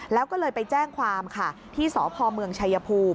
แล้วก็เลยไปแจ้งความค่ะที่สพเมืองชัยภูมิ